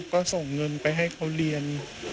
ก็ส่งเงินไปให้เขาเรียน